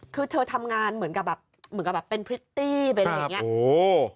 คือเธอทำงานเหมือนกับเป็นพริตตี้เป็นอะไรอย่างนี้